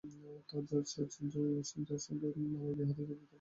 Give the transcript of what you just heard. তবে যার সঙ্গে আমার বিয়ে হতে যাচ্ছে, তার পরিবারের সবাই লন্ডনপ্রবাসী।